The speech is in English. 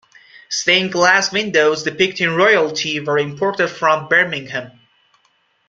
Stained glass windows depicting royalty were imported from Birmingham.